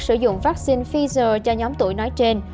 sử dụng vaccine pfizer cho nhóm tuổi nói trên